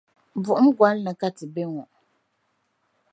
Buɣum gɔli ni ka ti bɛ ŋɔ.